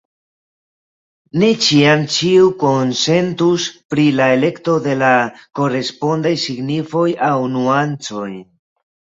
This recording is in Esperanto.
Ne ĉiam ĉiu konsentus pri la elekto de la korespondaj signifoj aŭ nuancoj.